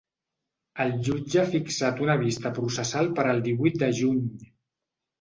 El jutge ha fixat una vista processal per al divuit de juny.